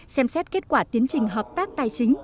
xem xét kết quả tiến trình hợp tác tài chính